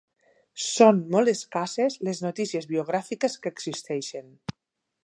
Són molt escasses les notícies biogràfiques que existeixen.